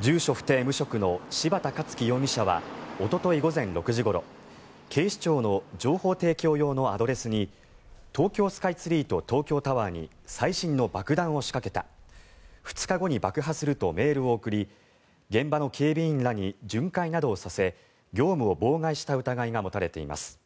住所不定・無職の柴田勝樹容疑者はおととい午前６時ごろ警視庁の情報提供用のアドレスに東京スカイツリーと東京タワーに最新の爆弾を仕掛けた２日後に爆破するとメールを送り現場の警備員らに巡回をさせ業務を妨害した疑いが持たれています。